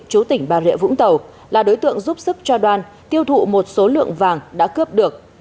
chú tỉnh bà rịa vũng tàu là đối tượng giúp sức cho đoan tiêu thụ một số lượng vàng đã cướp được